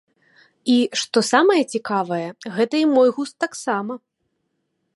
І, штос самае цікавае, гэта і мой густ таксама.